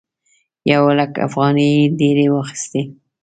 یو لک افغانۍ یې ډېرې واخيستې.